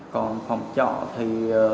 còn phòng trọ thì